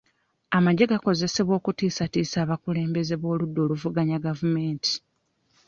Amagye gakozesebwa okutiisatiisa abakulembeze b'oludda oluvuganya gavumenti.